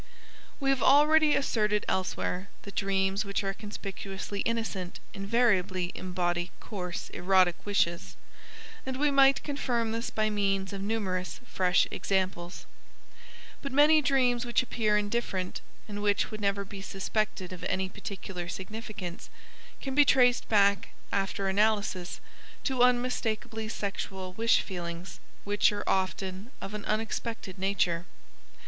We have already asserted elsewhere that dreams which are conspicuously innocent invariably embody coarse erotic wishes, and we might confirm this by means of numerous fresh examples. But many dreams which appear indifferent, and which would never be suspected of any particular significance, can be traced back, after analysis, to unmistakably sexual wish feelings, which are often of an unexpected nature.